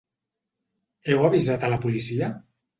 Heu avisat a la policia?